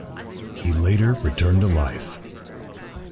He later returned to life.